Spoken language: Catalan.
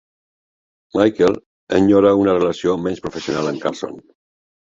Michael enyora una relació menys professional amb Carson.